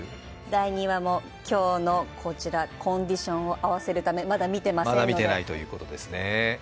第２話も今日のこちらコンディションを合わせるためまだ、見ていませんので。